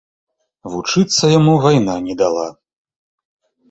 Вучыцца яму вайна не дала.